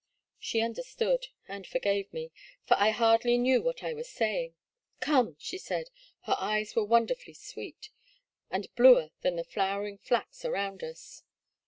She understood and forgave me, for I hardly knew what I was sa3dng. Come," she said — ^her eyes were wonderfully sweet, and bluer than the flowering flax around us.